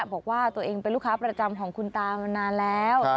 บอกว่าตัวเองเป็นลูกค้าประจำของคุณตามานานแล้ว